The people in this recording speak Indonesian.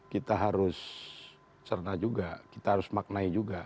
kita harus cerna juga kita harus maknai juga